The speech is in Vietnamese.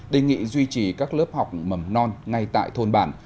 đề nghị duy trì các lớp học mầm non ngay tại thôn bản